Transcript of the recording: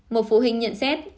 một phụ huynh nhận xét